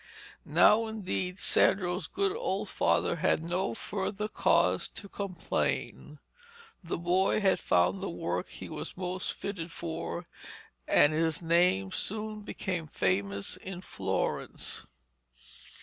Now, indeed, Sandros good old father had no further cause to complain. The boy had found the work he was most fitted for, and his name soon became famous in Florence.